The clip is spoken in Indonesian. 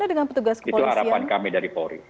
itu harapan kami dari polri